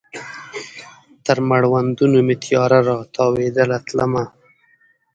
تر مړوندونو مې تیاره را تاویدله تلمه